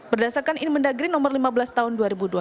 berdasarkan inmendagri nomor lima belas tahun dua ribu dua puluh dua